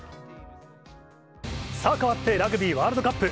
さあ、かわって、ラグビーワールドカップ。